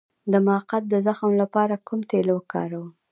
د مقعد د زخم لپاره کوم تېل وکاروم؟